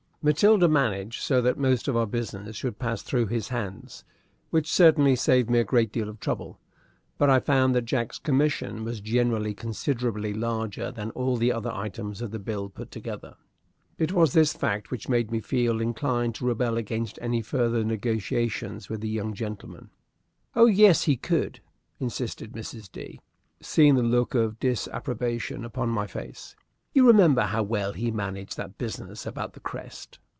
Matilda managed so that most of our business should pass through his hands, which certainly saved me a great deal of trouble; but I found that Jack's commission was generally considerably larger than all the other items of the bill put together. It was this fact which made me feel inclined to rebel against any further negotiations with the young gentleman. "Oh, yes, he could," insisted Mrs. D., seeing the look of disapprobation upon my face. "You remember how well he managed that business about the crest?"